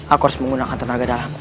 aku harus menggunakan tenaga dalam